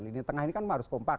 lini tengah ini kan harus kompak